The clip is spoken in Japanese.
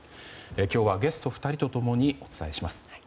今日はゲスト２人と共にお伝えします。